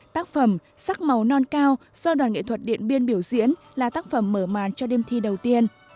tác phẩm sắc màu non cao do đoàn nghệ thuật điện biên biểu diễn là tác phẩm mở màn cho đêm thi đầu tiên